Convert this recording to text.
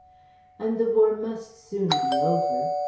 And the War must soon be over.